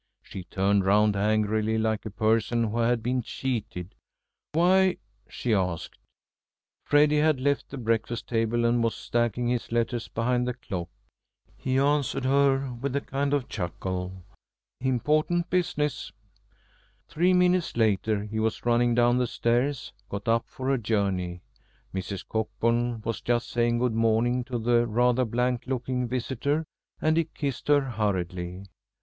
She turned round angrily, like a person who had been cheated. "Why?" she asked. [Illustration: "Dolly!" he cried in a voice of triumph. p. 224.] Freddy had left the breakfast table, and was stacking his letters behind the clock. He answered her with a kind of chuckle "Important business." Three minutes later, he was running down the stairs, got up for a journey. Mrs. Cockburn was just saying good morning to the rather blank looking visitor, and he kissed her hurriedly.